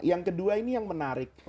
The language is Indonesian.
yang kedua ini yang menarik